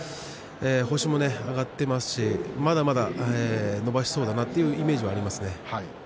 星も挙がっていますしまだまだ伸ばしそうだなというイメージがありますね。